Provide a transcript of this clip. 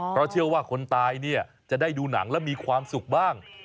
เพราะเชื่อว่าคนตายเนี่ยจะได้ดูหนังแล้วมีความสุขบ้าง